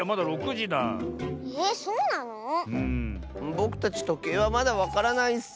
ぼくたちとけいはまだわからないッス！